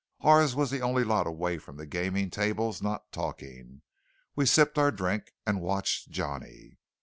Ours was the only lot away from the gaming tables not talking. We sipped our drink and watched Johnny.